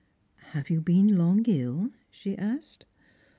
"Have you been long ill ?" she asked.